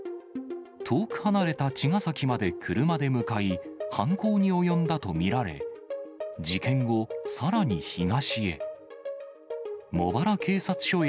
遠く離れた茅ヶ崎まで車で向かい、犯行に及んだと見られ、事件後、さらに東へ。